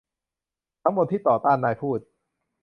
ทั้งหมดที่ต่อต้าน นายพูด